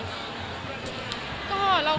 แล้วทั้งโหลดนั้นเก๊ย์เก่งอีกมั้งบ้าง